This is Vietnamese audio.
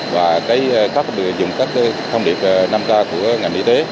và cách dùng các thông điệp năm k của ngành y tế